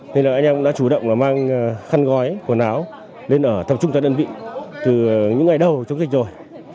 nên là anh em đã chủ động là mang khăn gói quần áo lên ở tập trung tại đơn vị từ những ngày đầu chống dịch rồi